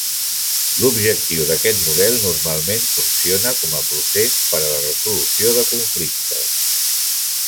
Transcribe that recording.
L'objectiu d'aquest model normalment funciona com a procés per a la resolució de conflictes.